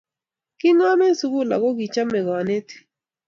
kingom eng sukul ako kichamei kanetik